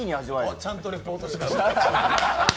おっ、ちゃんとリポートしてる。